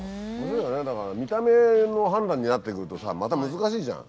だから見た目の判断になってくるとさまた難しいじゃん。